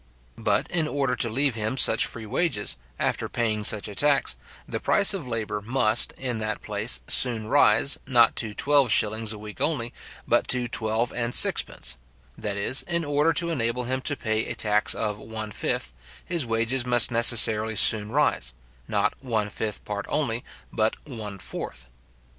But, in order to leave him such free wages, after paying such a tax, the price of labour must, in that place, soon rise, not to twelve shillings a week only, but to twelve and sixpence; that is, in order to enable him to pay a tax of one fifth, his wages must necessarily soon rise, not one fifth part only, but one fourth.